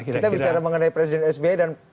kita bicara mengenai presiden sby dan